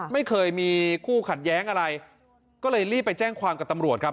ไม่เคยมีคู่ขัดแย้งอะไรก็เลยรีบไปแจ้งความกับตำรวจครับ